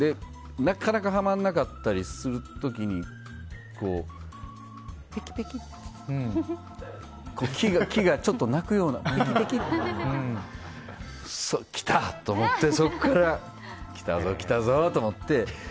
なかなかはまらなかったりする時にペキペキって木がなくような。来た！と思ってそこから、来たぞ来たぞって。